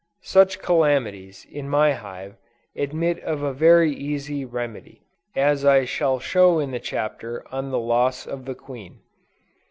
Such calamities, in my hive, admit of a very easy remedy, as I shall show in the Chapter on the Loss of the Queen.